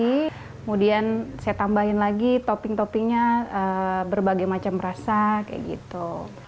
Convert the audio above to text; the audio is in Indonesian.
kemudian saya tambahin lagi topping toppingnya berbagai macam rasa kayak gitu